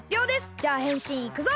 じゃあへんしんいくぞ！